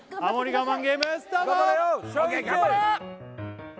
我慢ゲームスタート頑張れよ！